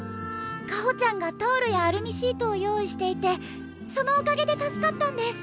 香穂ちゃんがタオルやアルミシートを用意していてそのおかげで助かったんです。